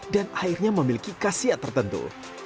dan airnya memiliki kasiat tertentu